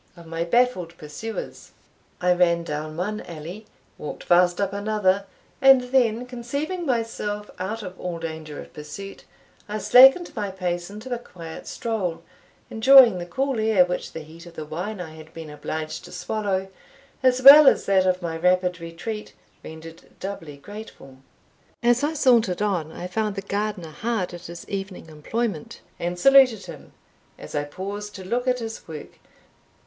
of my baffled pursuers. I ran down one alley, walked fast up another; and then, conceiving myself out of all danger of pursuit, I slackened my pace into a quiet stroll, enjoying the cool air which the heat of the wine I had been obliged to swallow, as well as that of my rapid retreat, rendered doubly grateful. As I sauntered on, I found the gardener hard at his evening employment, and saluted him, as I paused to look at his work.